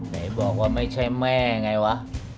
ไหนบอกว่าไม่ใช่แม่ไงวะ